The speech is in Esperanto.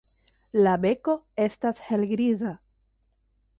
La beko estas helgriza.